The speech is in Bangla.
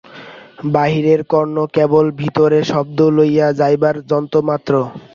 বাহিরের কর্ণ কেবল ভিতরে শব্দ লইয়া যাইবার যন্ত্রমাত্র।